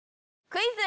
クイズ！！